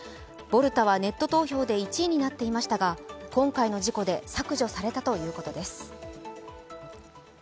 ボルタはネット投票で１位になっていましたが、今回の事故で削除されたということです。